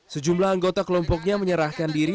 sejumlah anggota kelompoknya menyerahkan diri